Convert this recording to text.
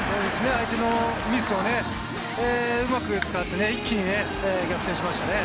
相手のミスをうまく使って、一気に逆転しましたね。